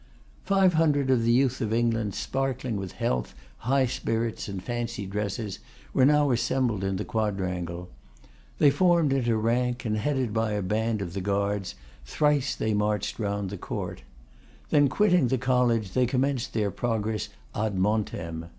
Five hundred of the youth of England, sparkling with health, high spirits, and fancy dresses, were now assembled in the quadrangle. They formed into rank, and headed by a band of the Guards, thrice they marched round the court. Then quitting the College, they commenced their progress 'ad Montem.